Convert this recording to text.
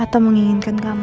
atau menginginkan kamu